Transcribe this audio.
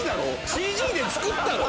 ＣＧで作ったろう！